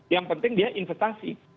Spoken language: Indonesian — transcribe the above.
yang penting dia investasi